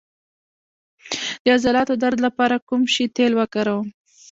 د عضلاتو درد لپاره د کوم شي تېل وکاروم؟